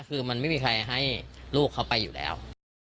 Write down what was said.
คือมันไม่มีใครให้ลูกเขาไปอยู่แล้ว